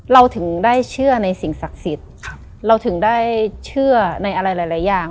เราถึงได้เชื่อในสิ่งศักดิ์สิทธิ์เราถึงได้เชื่อในอะไรหลายอย่าง